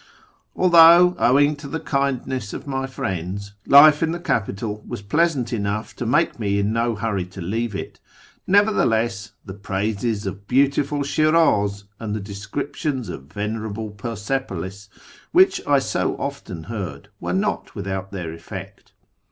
Although, owing to the kindness of my friends, life in the capital was pleasant enough to make me in no liuriy to leave it, nevertheless the praises of beautiful Shiniz and the descrip tions of venerable Persepolis w^hich I so often heard were not without their effect.